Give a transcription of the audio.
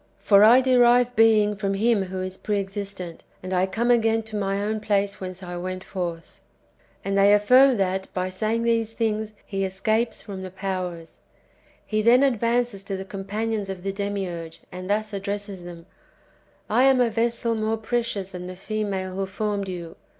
For I derive being from Him who is pre existent, and I come again to my own place whence I went forth." And they affirm that, by saying these things, he escapes from the powers. He then advances to the com panions of the Demiurge, and thus addresses them: —" I am a vessel more precious than the female who formed you.